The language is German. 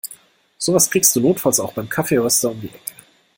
Sowas kriegst du notfalls auch beim Kaffeeröster um die Ecke.